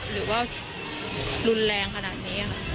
หรือว่ารุนแรงขนาดนี้ค่ะ